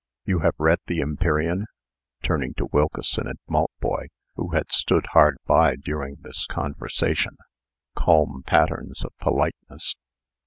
You have read the 'Empyrean?'" turning to Wilkeson and Maltboy, who had stood hard by during this conversation, calm patterns of politeness.